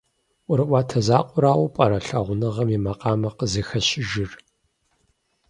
ӀуэрыӀуатэ закъуэрауэ пӀэрэ лъагъуныгъэм и макъамэр къызыхэщыжыр?